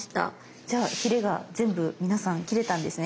じゃあヒレが全部皆さん切れたんですね？